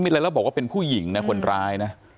แล้วบอกว่าเป็นผู้หญิงนะคนร้ายนะ